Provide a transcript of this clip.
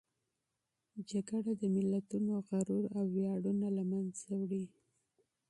جګړه د ملتونو غرور او ویاړونه له منځه وړي.